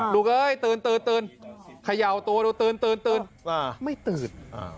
ลูกเฮ้ยตื่นขย่าวตัวตื่นไม่ตื่น